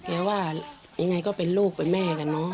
แม้ว่ายังไงก็เป็นลูกเป็นแม่กันเนอะ